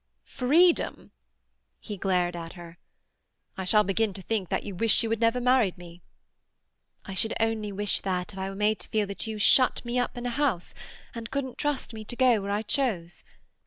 "Freedom?" He glared at her. "I shall begin to think that you wish you had never married me." "I should only wish that if I were made to feel that you shut me up in a house and couldn't trust me to go where I chose.